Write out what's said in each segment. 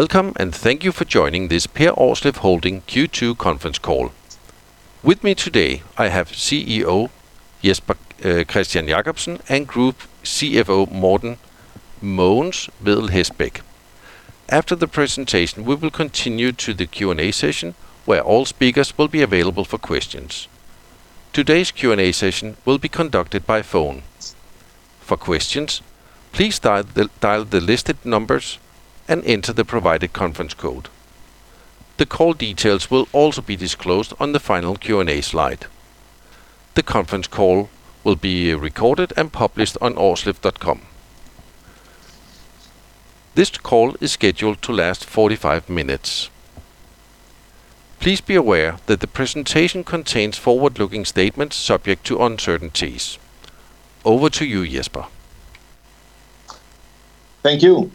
Welcome, thank you for joining this Per Aarsleff Holding Q2 conference call. With me today I have CEO Jesper Kristian Jacobsen and Group CFO Mogens Vedel Hestbæk. After the presentation, we will continue to the Q&A session where all speakers will be available for questions. Today's Q&A session will be conducted by phone. For questions, please dial the listed numbers and enter the provided conference code. The call details will also be disclosed on the final Q&A slide. The conference call will be recorded and published on aarsleff.com. This call is scheduled to last 45 minutes. Please be aware that the presentation contains forward-looking statements subject to uncertainties. Over to you, Jesper. Thank you,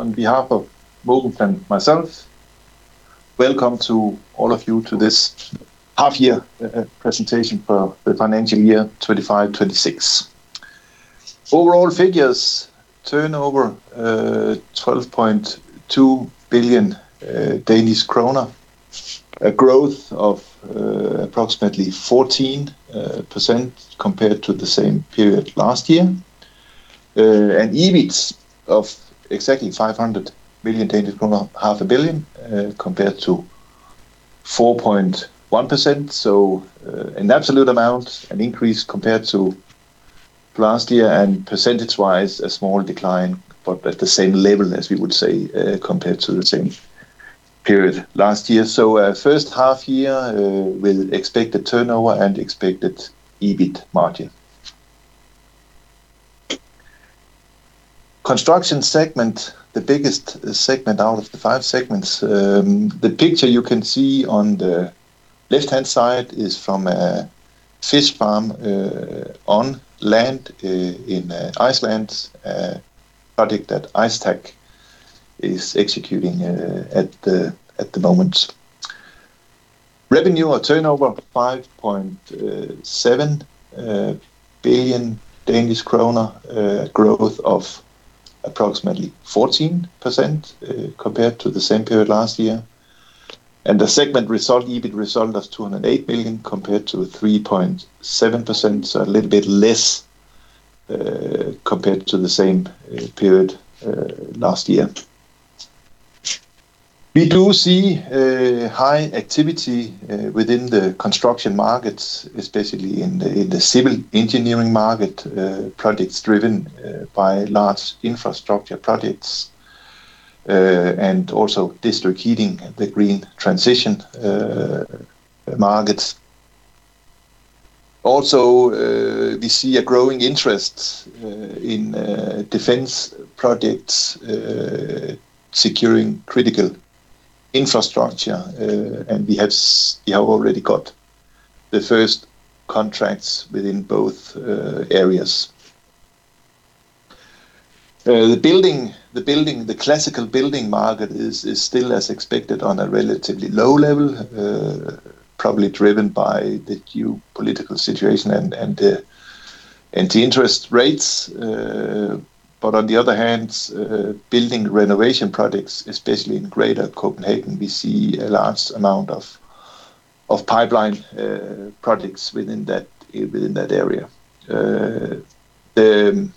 on behalf of Mogens and myself, welcome to all of you to this half-year presentation for the financial year 2025, 2026. Overall figures, turnover 12.2 billion Danish kroner, a growth of approximately 14% compared to the same period last year. An EBIT of exactly 500 million Danish kroner, half a billion, compared to 4.1%. In absolute amount, an increase compared to last year, percentage-wise, a small decline, at the same level as we would say, compared to the same period last year. First half year will expect a turnover and expect EBIT margin. Construction segment, the biggest segment out of the five segments. The picture you can see on the left-hand side is from a fish farm on land in Iceland, a project that Ístak is executing at the moment. Revenue or turnover 5.7 billion Danish kroner, growth of approximately 14% compared to the same period last year. The segment result, EBIT result, of 208 million compared to 3.7%, a little bit less compared to the same period last year. We do see high activity within the construction markets, especially in the civil engineering market, projects driven by large infrastructure projects, and also district heating, the green transition markets. Also, we see a growing interest in defense projects, securing critical infrastructure, and we have already got the first contracts within both areas. The classical building market is still as expected on a relatively low level, probably driven by the geopolitical situation and the interest rates. On the other hand, building renovation projects, especially in greater Copenhagen, we see a large amount of pipeline projects within that area. The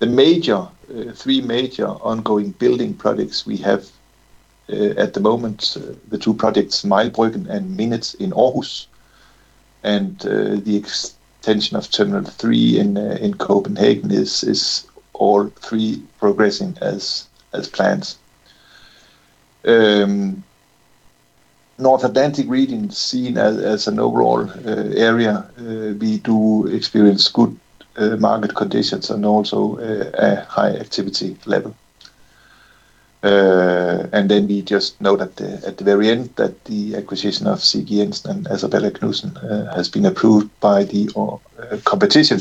three major ongoing building projects we have at the moment, the two projects, Møllebroen and Mindet in Aarhus, and the extension of Terminal 3 in Copenhagen, is all three progressing as planned. North Atlantic region seen as an overall area, we do experience good market conditions and also a high activity level. We just note at the very end that the acquisition of CG Jensen and Adserballe & Knudsen has been approved by the competition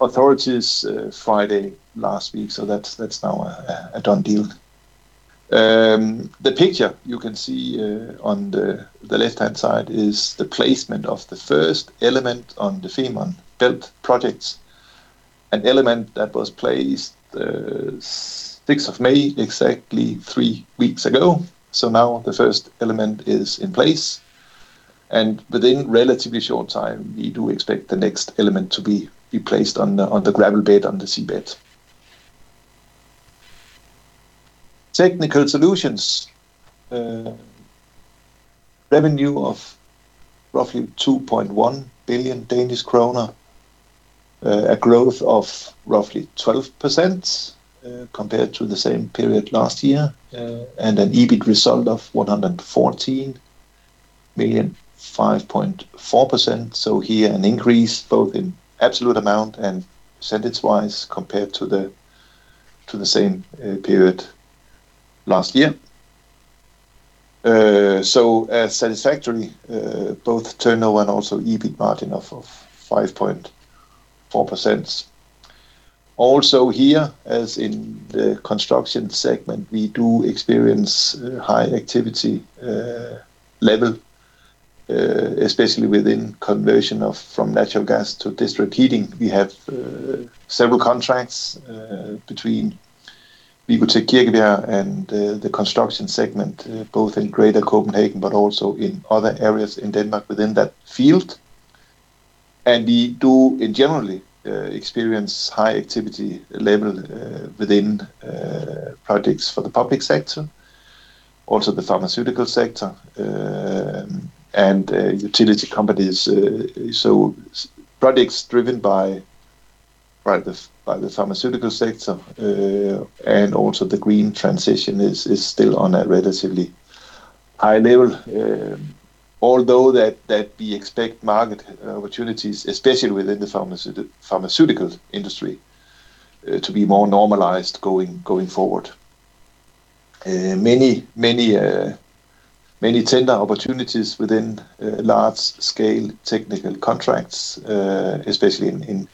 authorities Friday last week, so that's now a done deal. The picture you can see on the left-hand side is the placement of the first element on the Fehmarn Belt projects, an element that was placed the 6th of May, exactly three weeks ago. Now the first element is in place, and within relatively short time, we do expect the next element to be placed on the gravel bed on the seabed. Technical solutions. Revenue of roughly 2.1 billion Danish kroner, a growth of roughly 12% compared to the same period last year, and an EBIT result of 114 million, 5.4%. Here an increase both in absolute amount and percentage-wise compared to the same period last year. A satisfactory both turnover and also EBIT margin of 5.4%. Also here, as in the construction segment, we do experience a high activity level. Especially within conversion from natural gas to district heating. We have several contracts between Wicotec and the construction segment, both in Greater Copenhagen but also in other areas in Denmark within that field. We do, in general, experience high activity level within projects for the public sector, also the pharmaceutical sector, and utility companies. Projects driven by the pharmaceutical sector and also the green transition is still on a relatively high level. We expect market opportunities, especially within the pharmaceutical industry, to be more normalized going forward. Many tender opportunities within large-scale technical contracts, especially in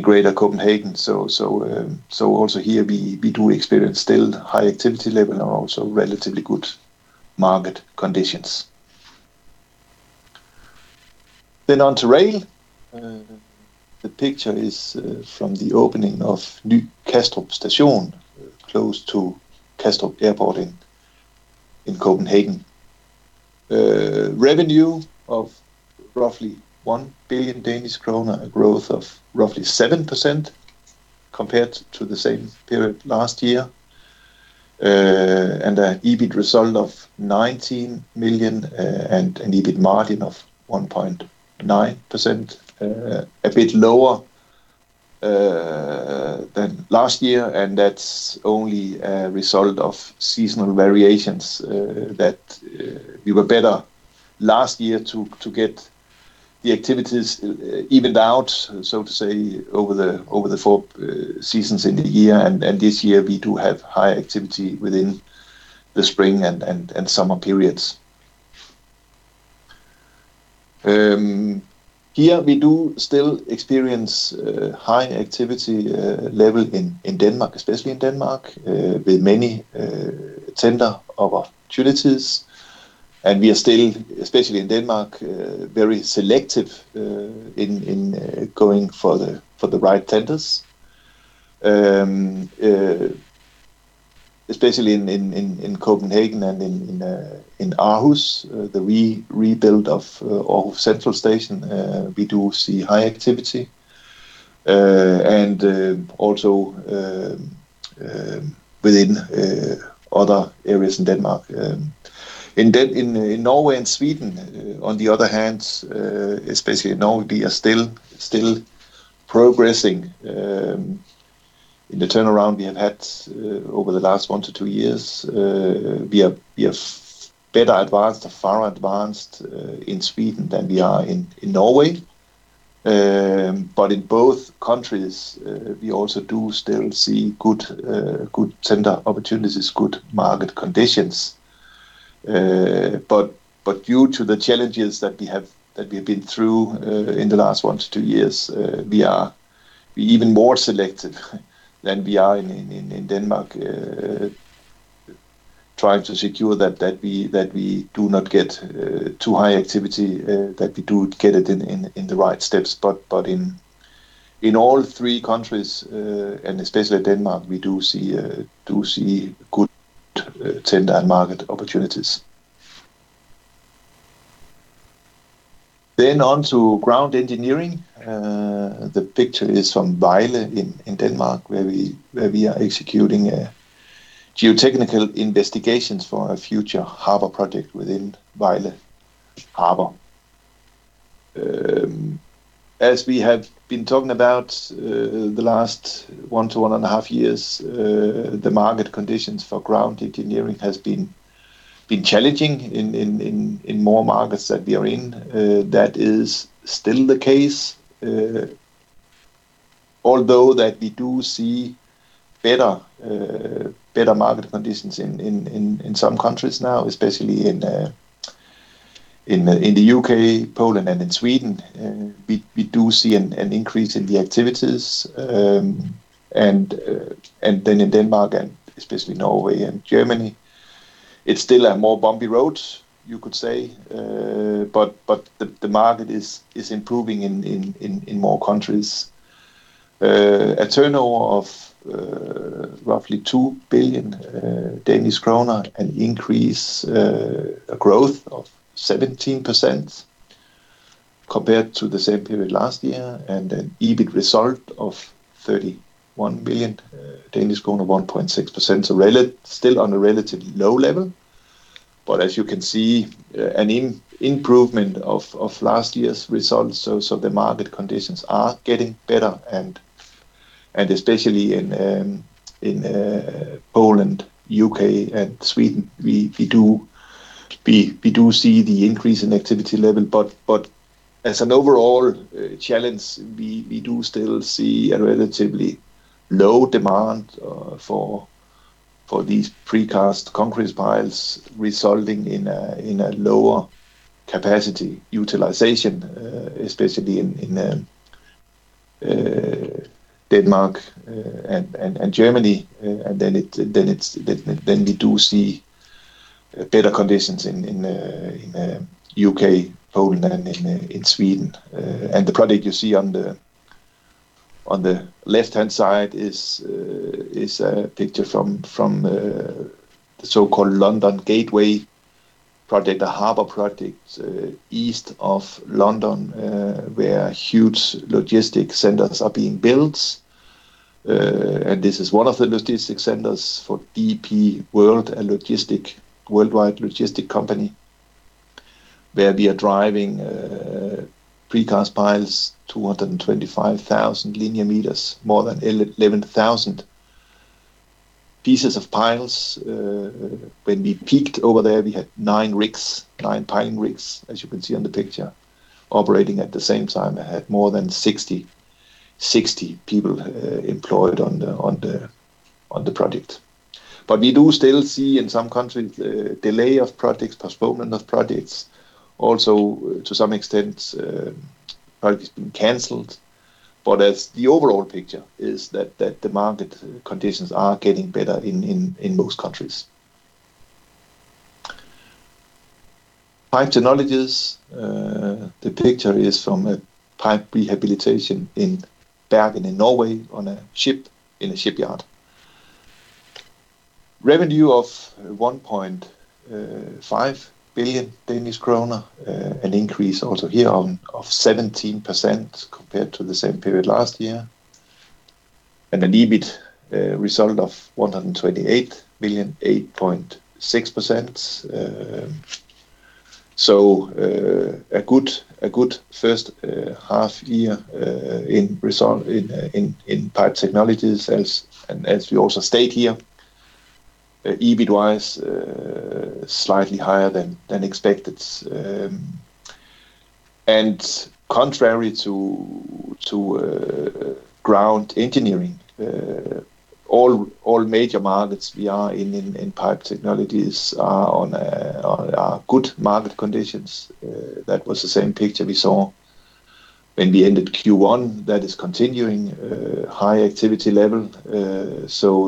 Greater Copenhagen. Also here, we do experience still high activity level and also relatively good market conditions. On to rail. The picture is from the opening of Ny Kastrup Station, close to Kastrup Airport in Copenhagen. Revenue of roughly 1 billion Danish kroner, a growth of roughly 7% compared to the same period last year, and an EBIT result of 19 million, and an EBIT margin of 1.9%. A bit lower than last year, and that's only a result of seasonal variations, that we were better last year to get the activities evened out, so to say, over the four seasons in the year. This year, we do have high activity within the spring and summer periods. Here, we do still experience a high activity level in Denmark, especially in Denmark, with many tender opportunities, and we are still, especially in Denmark, very selective in going for the right tenders. Especially in Copenhagen and in Aarhus, the rebuild of Aarhus Central Station, we do see high activity, and also within other areas in Denmark. In Norway and Sweden, on the other hand, especially in Norway, we are still progressing in the turnaround we have had over the last one to two years. We are better advanced or far advanced in Sweden than we are in Norway. In both countries, we also do still see good tender opportunities, good market conditions. Due to the challenges that we have been through in the last one to two years, we are even more selective than we are in Denmark, trying to secure that we do not get too high activity, that we do get it in the right steps. In all three countries and especially in Denmark we do see good tender market opportunities. On to ground engineering. The picture is from Vejle in Denmark, where we are executing geotechnical investigations for a future harbor project within Vejle Harbor. As we have been talking about the last one to 1.5 years, the market conditions for ground engineering has been challenging in more markets that we are in. That is still the case. We do see better market conditions in some countries now, especially in the U.K., Poland, and in Sweden. We do see an increase in the activities. In Denmark and especially Norway and Germany, it's still a more bumpy road, you could say, but the market is improving in more countries. A turnover of roughly 2 billion Danish kroner, an increase, a growth of 17% compared to the same period last year, and an EBIT result of 31 billion Danish kroner, 1.6%. Still on a relatively low level, but as you can see, an improvement of last year's results. The market conditions are getting better, and especially in Poland, U.K., and Sweden, we do see the increase in activity level. As an overall challenge, we do still see a relatively low demand for these precast concrete piles, resulting in a lower capacity utilization, especially in Denmark and Germany. We do see better conditions in U.K., Poland, and in Sweden. The project you see on the left-hand side is a picture from the so-called London Gateway project, a harbor project east of London, where huge logistics centers are being built. This is one of the logistics centers for DP World, a worldwide logistic company, where we are driving precast piles, 225,000 linear meters, more than 11,000 pieces of piles. When we peaked over there, we had nine rigs, nine piling rigs, as you can see on the picture, operating at the same time. It had more than 60 people employed on the project. We do still see, in some countries, delay of projects, postponement of projects. Also, to some extent, projects being canceled. The overall picture is that the market conditions are getting better in most countries. Pipe Technologies. The picture is from a pipe rehabilitation in Bergen, in Norway, on a ship in a shipyard. Revenue of 1.5 billion Danish kroner, an increase also here of 17% compared to the same period last year. An EBIT result of 128 million, 8.6%. A good first half year in result in Pipe Technologies, as we also state here. EBIT-wise, slightly higher than expected. Contrary to Ground Engineering, all major markets we are in in Pipe Technologies are on good market conditions. That was the same picture we saw when we ended Q1. That is continuing, high activity level.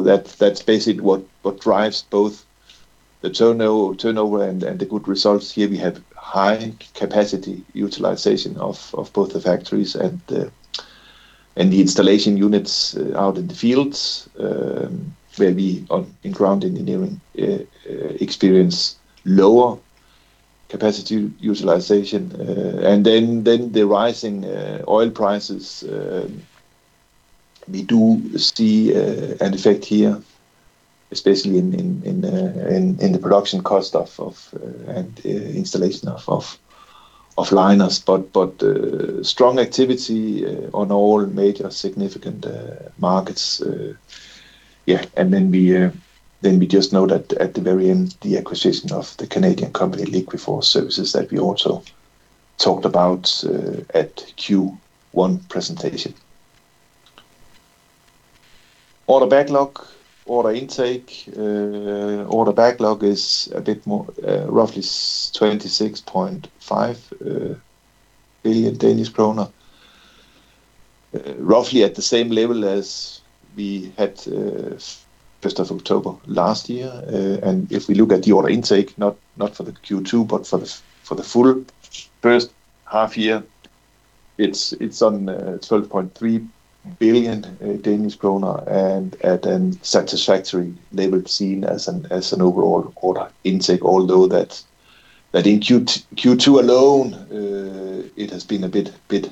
That's basically what drives both the turnover and the good results here. We have high capacity utilization of both the factories and the installation units out in the fields, where we, in Ground Engineering, experience lower capacity utilization. The rising oil prices, we do see an effect here, especially in the production cost and installation of liners. Strong activity on all major significant markets. We just note that at the very end, the acquisition of the Canadian company, LiquiForce Services, that we also talked about at Q1 presentation. Order backlog. Order intake. Order backlog is a bit more, roughly 26.5 billion Danish krone. Roughly at the same level as we had 1st of October last year. If we look at the order intake, not for the Q2, but for the full first half year, it's on 12.3 billion Danish kroner, and at a satisfactory level seen as an overall order intake. Although that in Q2 alone, it has been a bit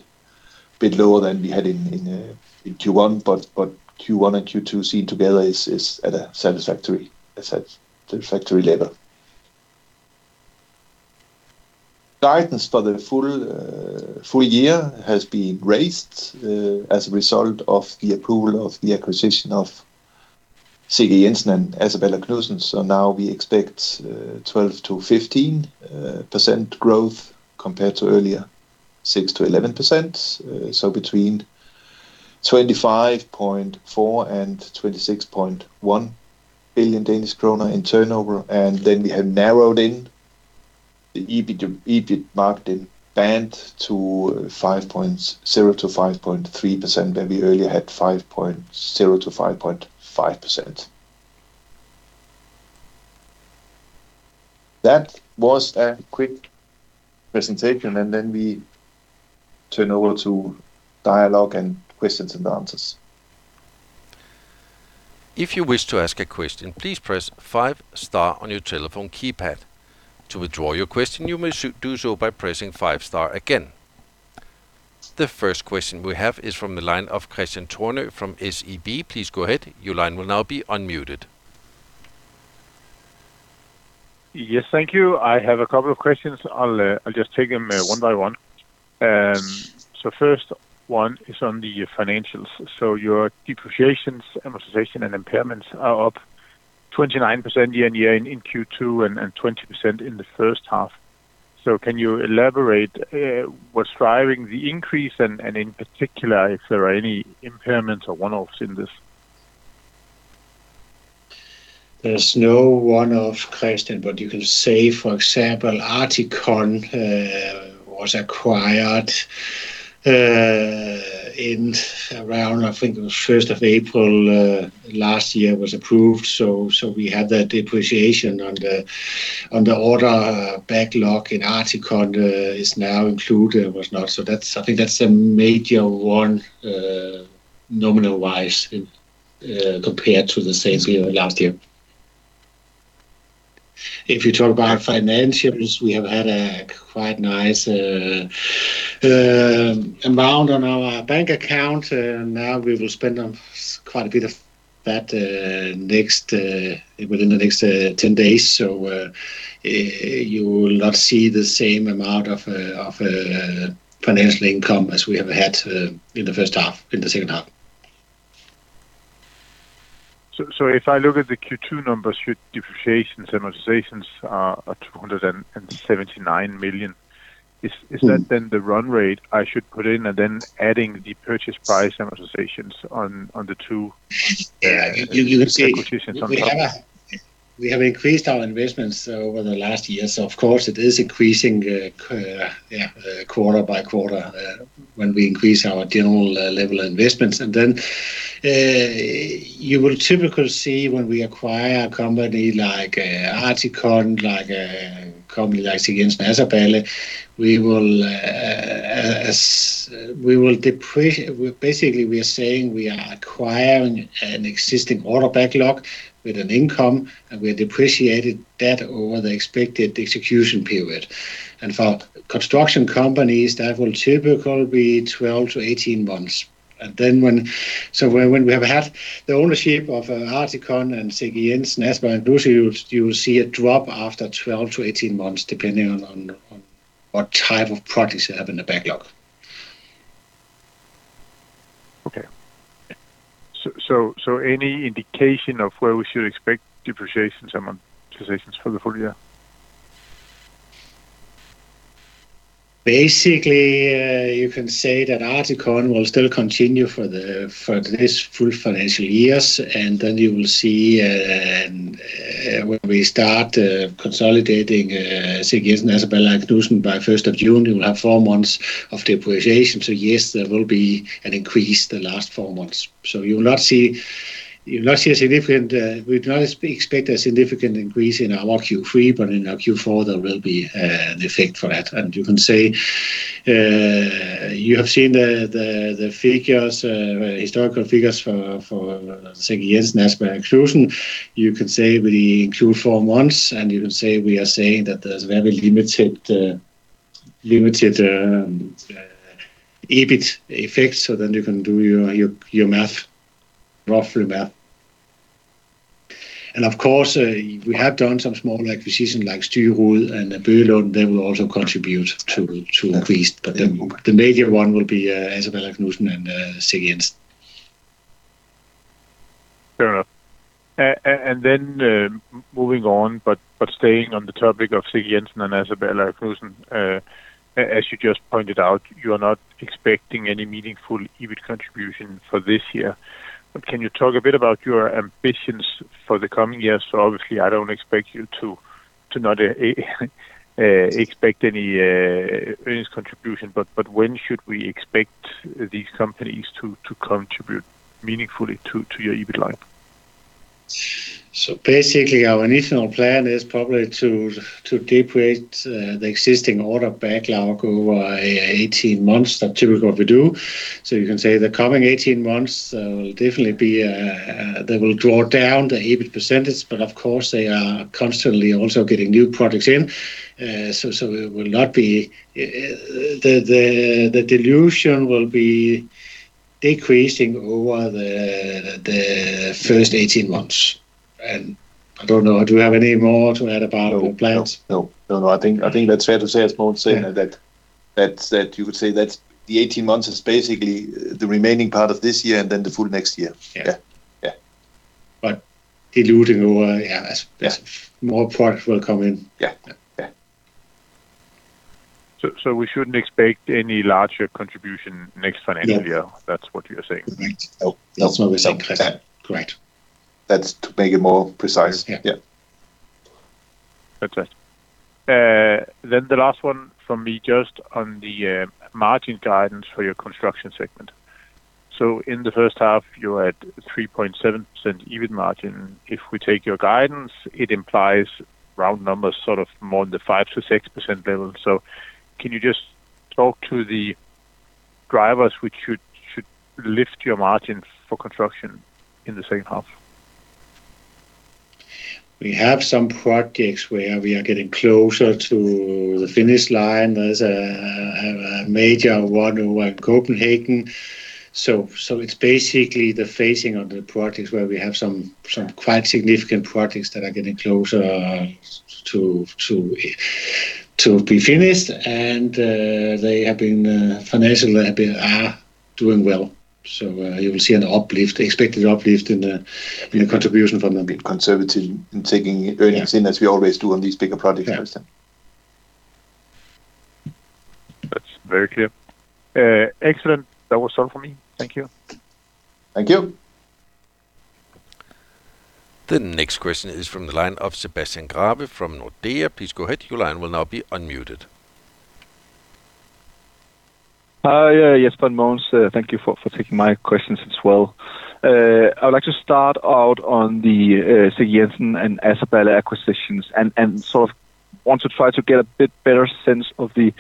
lower than we had in Q1. Q1 and Q2 seen together is at a satisfactory level. Guidance for the full year has been raised as a result of the approval of the acquisition of CG Jensen and Adserballe & Knudsen. Now we expect 12%-15% growth compared to earlier 6%-11%. Between 25.4 billion and 26.1 billion Danish kroner in turnover. We have narrowed in the EBIT margin band to 5.0%-5.3%, where we earlier had 5.0%-5.5%. That was a quick presentation, and then we turn over to dialogue and questions and answers. If you wish to ask a question, please press five star on your telephone keypad. To withdraw your question, you may do so by pressing five star again. The first question we have is from the line of Kristian Tornøe from SEB. Please go ahead. Your line will now be unmuted. Yes. Thank you. I have a couple of questions. I'll just take them one by one. First one is on the financials. Your depreciations, amortization, and impairments are up 29% year-on-year in Q2 and 20% in the first half. Can you elaborate what's driving the increase and, in particular, if there are any impairments or one-offs in this? There's no one-off, Kristian, but you can say, for example, ArtiCon was acquired in around, I think it was 1st of April last year, was approved. We had that depreciation on the order backlog, and ArtiCon is now included. I think that's a major one nominal-wise, compared to the same period last year. If you talk about financials, we have had a quite nice amount on our bank account. Now we will spend quite a bit of that within the next 10 days, you will not see the same amount of financial income as we have had in the second half. If I look at the Q2 numbers, your depreciations and amortizations are 279 million. Is that then the run rate I should put in, and then adding the purchase price amortizations on the two? You can see acquisitions on top. We have increased our investments over the last year, of course it is increasing quarter by quarter when we increase our general level investments. Then you will typically see when we acquire a company like ArtiCon, like a company like CG Jensen, Adserballe, basically we are saying we are acquiring an existing order backlog with an income, and we are depreciating that over the expected execution period. For construction companies, that will typically be 12-18 months. When we have had the ownership of ArtiCon and CG Jensen, Adserballe & Knudsen, you will see a drop after 12-18 months, depending on what type of projects they have in the backlog. Okay. Yeah. Any indication of where we should expect depreciations and amortizations for the full year? Basically, you can say that ArtiCon will still continue for this full financial years, and then you will see when we start consolidating CG Jensen, Adserballe & Knudsen by 1st of June, you will have four months of depreciation. Yes, there will be an increase the last four months. You will not see a significant increase in our Q3, but in our Q4, there will be an effect for that. You have seen the historical figures for CG Jensen, Adserballe & Knudsen. You can say we include four months, and you can say we are saying that there's very limited EBIT effects. You can do your math, roughly math. Of course, we have done some small acquisitions like Styrud and Boylund. They will also contribute to increase. The major one will be Adserballe & Knudsen and CG Jensen. Fair enough. Moving on, but staying on the topic of CG Jensen and Adserballe & Knudsen, as you just pointed out, you are not expecting any meaningful EBIT contribution for this year. Can you talk a bit about your ambitions for the coming years? Obviously, I don't expect you to not expect any earnings contribution, but when should we expect these companies to contribute meaningfully to your EBIT line? Basically, our initial plan is probably to depreciate the existing order backlog over 18 months. That typically we do. You can say the coming 18 months, they will draw down the EBIT percentage, but of course, they are constantly also getting new projects in. The dilution will be decreasing over the first 18 months. I don't know, do you have any more to add about our plans? I think that's fair to say, as Mogens said, that you could say that the 18 months is basically the remaining part of this year and then the full next year. Yeah. Yeah. diluting over, yeah. Yeah. As more products will come in. Yeah. We shouldn't expect any larger contribution next financial year. Yeah. That's what you're saying. Right. That's what we're saying, Kristian. Yeah. Correct. That's to make it more precise. Yeah. Yeah. The last one from me, just on the margin guidance for your construction segment. In the first half, you're at 3.7% EBIT margin. If we take your guidance, it implies round numbers, sort of more in the 5%-6% level. Can you just talk to the drivers which should lift your margin for construction in the second half? We have some projects where we are getting closer to the finish line. There's a major one over at Copenhagen. It's basically the phasing of the projects where we have some quite significant projects that are getting closer to be finished, and financially they are doing well. You will see an uplift, expected uplift in the contribution from them. Being conservative in taking earnings in as we always do on these bigger projects. Very clear. Excellent. That was all for me. Thank you. Thank you. The next question is from the line of Sebastian Grave from Nordea. Please go ahead. Hi, Jesper and Mogens. Thank you for taking my questions as well. I would like to start out on the CG Jensen and Adserballe & Knudsen acquisitions and want to try to get a bit better sense of the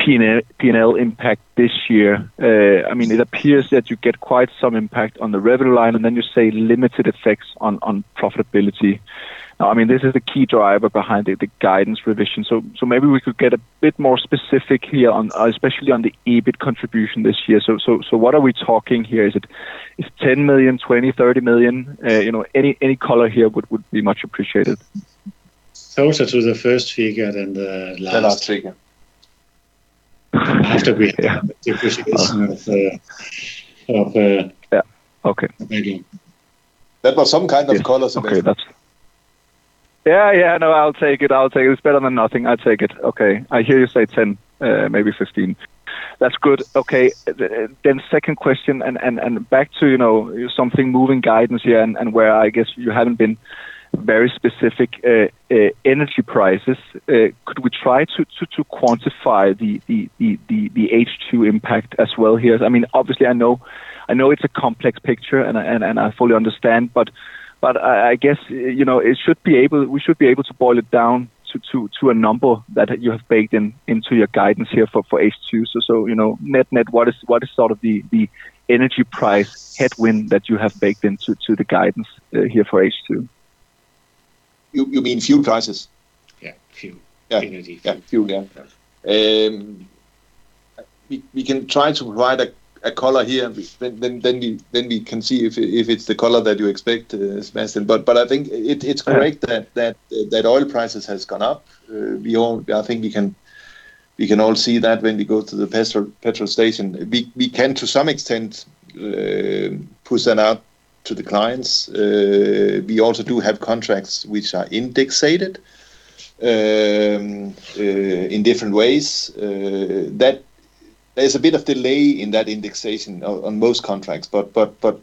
P&L impact this year. It appears that you get quite some impact on the revenue line, and then you say limited effects on profitability. This is the key driver behind the guidance revision. Maybe we could get a bit more specific here especially on the EBIT contribution this year. What are we talking here? Is it 10 million, 20, 30 million? Any color here would be much appreciated. Closer to the first figure than the last. The last figure. After we have done the acquisition of- Yeah. Okay. Maybe. That was some kind of color, Sebastian. Okay, that's Yeah. No, I'll take it. It's better than nothing. I'll take it. Okay. I hear you say 10, maybe 15. That's good. Second question, back to something moving guidance here, where I guess you haven't been very specific, energy prices. Could we try to quantify the H2 impact as well here? Obviously, I know it's a complex picture, I fully understand, I guess we should be able to boil it down to a number that you have baked into your guidance here for H2. Net, what is the energy price headwind that you have baked into the guidance here for H2? You mean fuel prices? Yeah. Fuel. Yeah. Energy. Yeah. Fuel, yeah. We can try to provide a color here. We can see if it's the color that you expect, Sebastian. I think it's correct that oil prices have gone up. I think we can all see that when we go to the gas station. We can, to some extent, push that out to the clients. We also do have contracts which are indexed in different ways. There's a bit of delay in that indexation on most contracts, but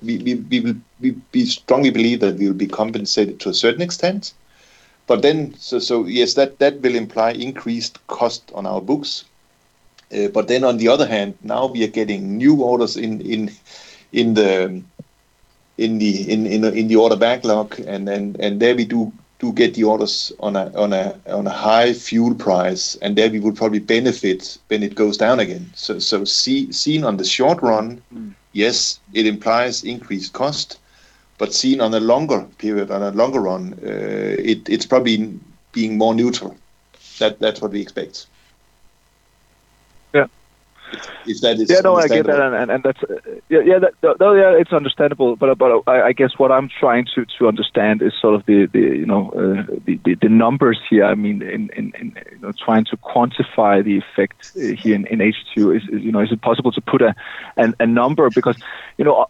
we strongly believe that we will be compensated to a certain extent. Yes, that will imply increased cost on our books. On the other hand, now we are getting new orders in the order backlog, and there we do get the orders on a high fuel price, and there we would probably benefit when it goes down again. Seen on the short run, yes, it implies increased cost, but seen on a longer period, on a longer run, it's probably being more neutral. That's what we expect. Yeah. If that is understandable. Yeah, it's understandable, but I guess what I'm trying to understand is the numbers here, in trying to quantify the effect here in H2. Is it possible to put a number?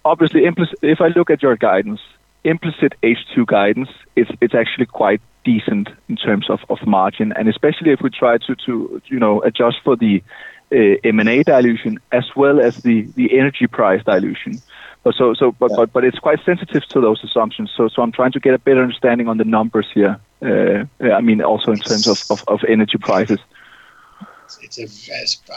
Obviously, if I look at your guidance, implicit H2 guidance, it's actually quite decent in terms of margin, and especially if we try to adjust for the M&A dilution as well as the energy price dilution. It's quite sensitive to those assumptions. I'm trying to get a better understanding on the numbers here, also in terms of energy prices.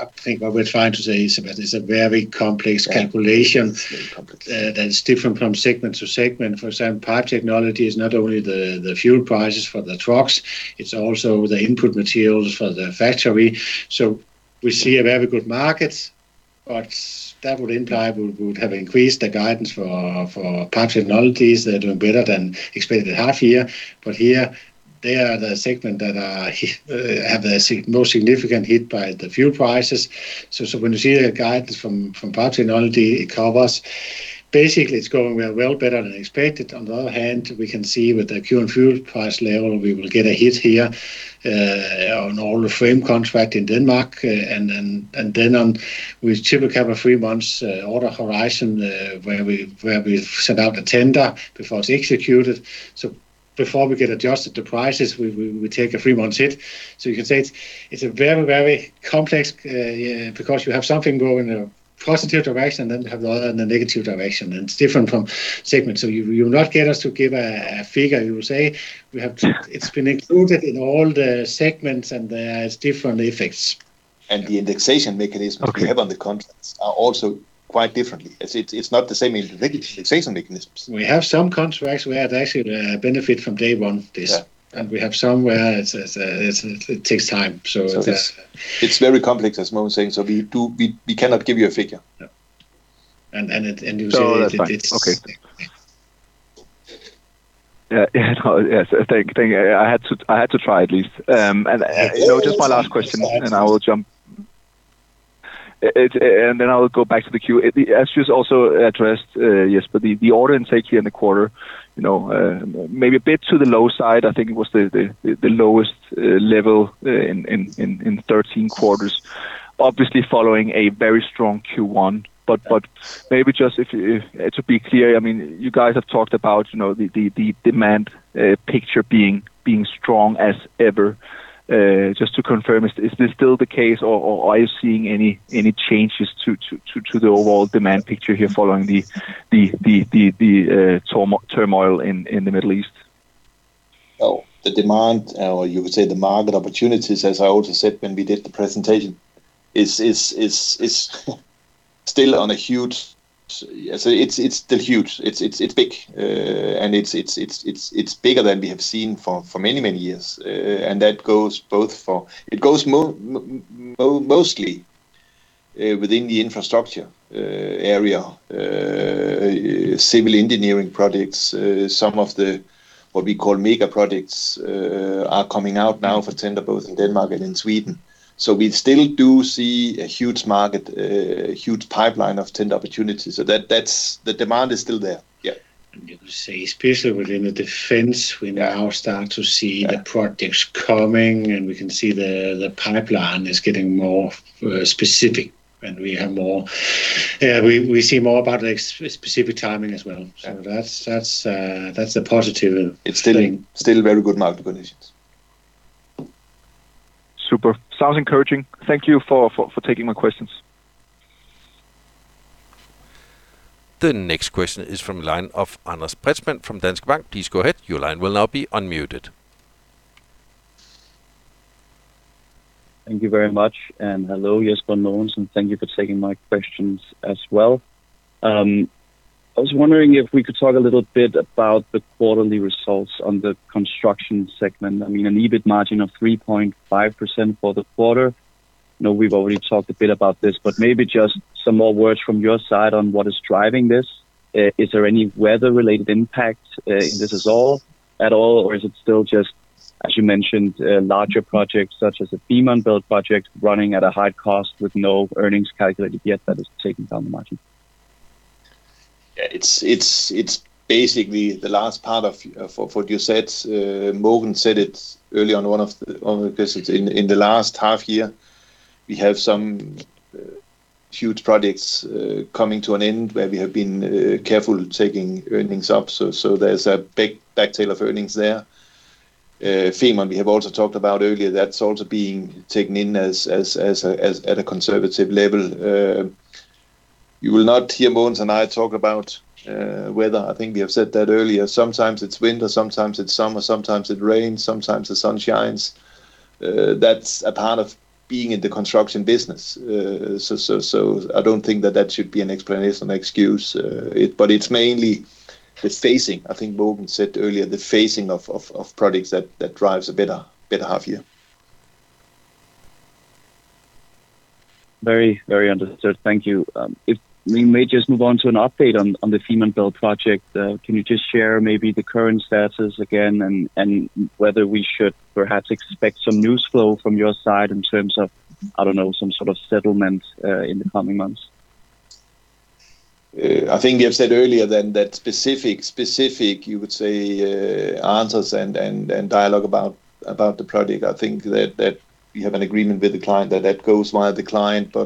I think what we're trying to say, Sebastian, it's a very complex calculation. Very complex that's different from segment to segment. For example, Pipe Technologies is not only the fuel prices for the trucks, it's also the input materials for the factory. We see a very good market, but that would imply we would have increased the guidance for Pipe Technologies. They're doing better than expected half year. Here, they are the segment that have the most significant hit by the fuel prices. When you see the guidance from Pipe Technologies, it covers, basically it's going well better than expected. On the other hand, we can see with the current fuel price level, we will get a hit here on all the frame contract in Denmark, and then on with typical three months order horizon, where we've sent out a tender before it's executed. Before we get adjusted to prices, we take a three-month hit. You can say it's very complex, because you have something going a positive direction, and then you have the other in a negative direction, and it's different from segment. You will not get us to give a figure. We will say it's been included in all the segments, and there is different effects. The indexation mechanism we have on the contracts are also quite different. It is not the same indexation mechanisms. We have some contracts we have actually benefit from day one. Yeah. We have some where it takes time. It's It's very complex, as Mogens saying, so we cannot give you a figure. No. you say No, that's fine. Okay. Yes. Thank you. I had to try at least. Just my last question, and then I will go back to the queue. As you've also addressed, Jesper, the order intake here in the quarter, maybe a bit to the low side. I think it was the lowest level in 13 quarters, obviously following a very strong Q1. Maybe just to be clear, you guys have talked about the demand picture being strong as ever. Just to confirm, is this still the case, or are you seeing any changes to the overall demand picture here following the turmoil in the Middle East? Well, the demand, or you would say the market opportunities, as I also said when we did the presentation, is still huge. It's big. It's bigger than we have seen for many, many years. It goes mostly within the infrastructure area, civil engineering projects. Some of the, what we call mega projects, are coming out now for tender, both in Denmark and in Sweden. We still do see a huge market, a huge pipeline of tender opportunities. The demand is still there. Yeah. You could say especially within the. Yeah We now start to see the projects coming, We can see the pipeline is getting more specific, We have more. Yeah, we see more about the specific timing as well. Yeah. That's a positive thing. It's still very good market conditions. Super. Sounds encouraging. Thank you for taking my questions. The next question is from line of Anders Preetzmann from Danske Bank. Please go ahead. Your line will now be unmuted. Thank you very much. Hello, Jesper and Mogens, thank you for taking my questions as well. I was wondering if we could talk a little bit about the quarterly results on the construction segment. An EBIT margin of 3.5% for the quarter. I know we've already talked a bit about this, but maybe just some more words from your side on what is driving this. Is there any weather-related impact in this at all, or is it still just, as you mentioned, larger projects such as a Femern Belt project running at a high cost with no earnings calculated yet that is taking down the margin? Yeah. It's basically the last part of what you said. Mogens said it early on one of the visits. In the last half year, we have some huge projects coming to an end where we have been careful taking earnings up, so there's a big back tail of earnings there. Femern, we have also talked about earlier, that's also being taken in at a conservative level. You will not hear Mogens and I talk about weather. I think we have said that earlier. Sometimes it's winter, sometimes it's summer, sometimes it rains, sometimes the sun shines. That's a part of being in the construction business. I don't think that that should be an explanation, an excuse. It's mainly the phasing, I think Mogens said earlier, the phasing of products that drives a better half year. Very understood. Thank you. If we may just move on to an update on the Femern Belt project. Can you just share maybe the current status again and whether we should perhaps expect some news flow from your side in terms of, I don't know, some sort of settlement, in the coming months? I think we have said earlier that specific, you would say, answers and dialogue about the project. I think that we have an agreement with the client that that goes via the client.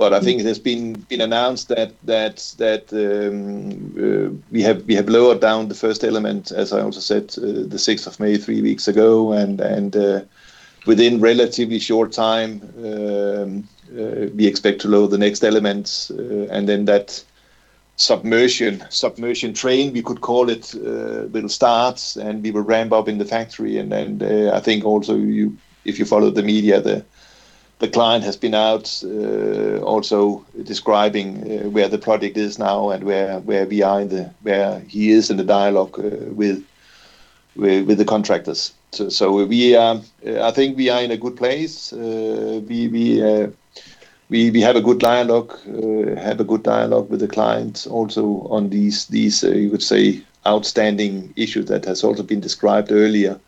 I think it has been announced that we have lowered down the first element, as I also said, the 6th of May, three weeks ago. Within relatively short time, we expect to load the next elements, that submersion train, we could call it, will start, and we will ramp up in the factory. I think also, if you follow the media, the client has been out also describing where the project is now and where he is in the dialogue with the contractors. I think we are in a good place. We have a good dialogue with the client also on these, you would say, outstanding issues that has also been described earlier.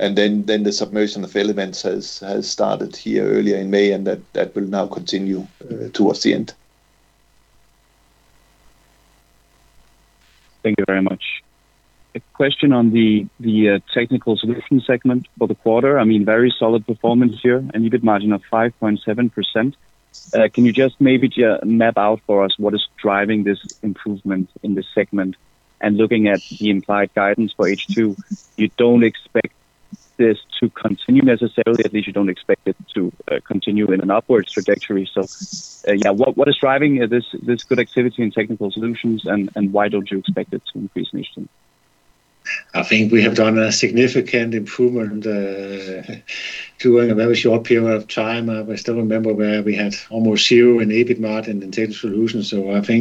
The submersion of elements has started here earlier in May, and that will now continue towards the end. Thank you very much. A question on the technical solutions segment for the quarter. Very solid performance here. An EBIT margin of 5.7%. Can you just maybe map out for us what is driving this improvement in this segment? Looking at the implied guidance for H2, you don't expect this to continue necessarily, at least you don't expect it to continue in an upwards trajectory. Yeah, what is driving this good activity in technical solutions, and why don't you expect it to increase in H2? I think we have done a significant improvement during a very short period of time. I still remember where we had almost zero in EBIT margin in technical solutions. I think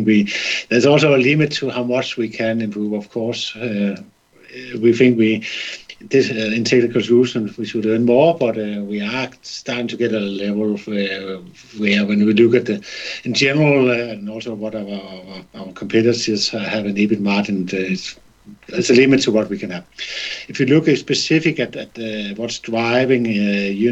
there's also a limit to how much we can improve, of course. We think in technical solutions we should earn more, but we are starting to get a level where, when we do get in general and also what our competitors have in EBIT margin, there's a limit to what we can have. If you look specific at what's driving, the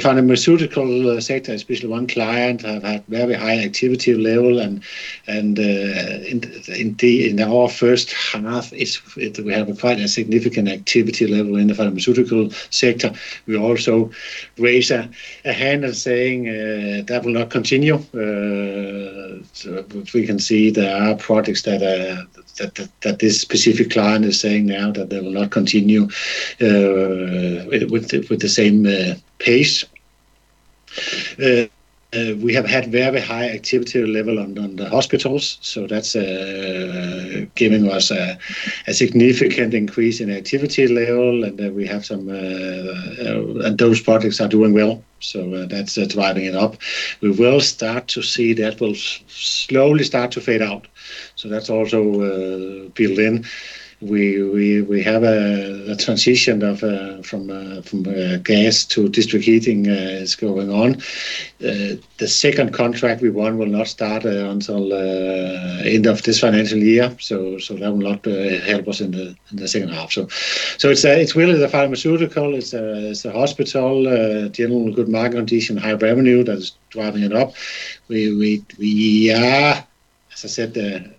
pharmaceutical sector, especially one client, have had very high activity level and in our first half, we have quite a significant activity level in the pharmaceutical sector. We also raise a handle saying, that will not continue. Which we can see there are projects that this specific client is saying now that they will not continue with the same pace. We have had very high activity level on the hospitals, so that's giving us a significant increase in activity level. Those projects are doing well, so that's driving it up. We will start to see that will slowly start to fade out, so that's also built in. We have a transition from gas to district heating is going on. The second contract we won will not start until end of this financial year, so that will not help us in the second half. It's really the pharmaceutical, it's the hospital, general good market condition, high revenue that is driving it up. We are, as I said, we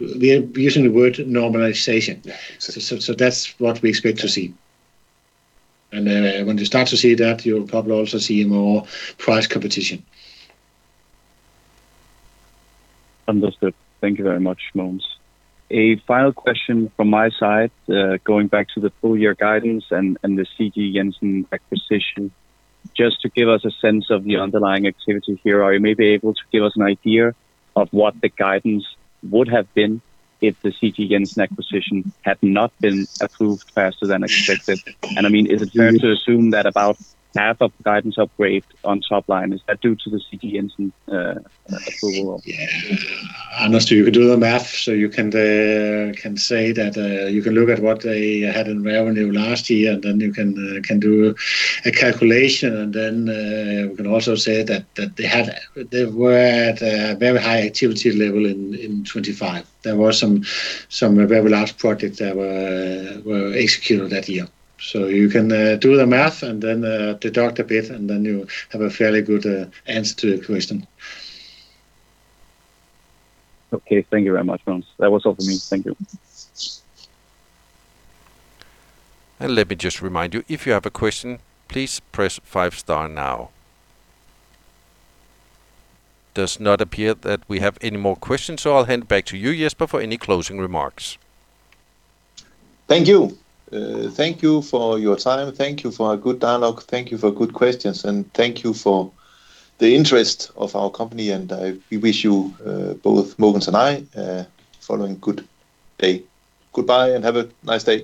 are using the word normalization. Yeah. That's what we expect to see. When you start to see that, you'll probably also see more price competition. Understood. Thank you very much, Mogens. A final question from my side, going back to the full-year guidance and the CG Jensen acquisition. Just to give us a sense of the underlying activity here, are you maybe able to give us an idea of what the guidance would have been if the CG Jensen acquisition had not been approved faster than expected? Is it fair to assume that about half of the guidance upgrade on top line, is that due to the CG Jensen approval? Yeah. Anders, you can do the math, you can look at what they had in revenue last year, and then you can do a calculation, and then we can also say that they were at a very high activity level in 2025. There were some very large projects that were executed that year. You can do the math and then deduct a bit, and then you have a fairly good answer to the question. Okay. Thank you very much, Mogens. That was all for me. Thank you. Let me just remind you, if you have a question, please press five star now. Does not appear that we have any more questions. I'll hand back to you, Jesper, for any closing remarks. Thank you. Thank you for your time. Thank you for a good dialogue. Thank you for good questions, and thank you for the interest of our company, and we wish you, both Mogens and I, following good day. Goodbye, and have a nice day.